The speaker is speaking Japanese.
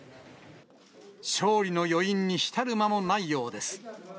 勝利の余韻に浸る間もないようです。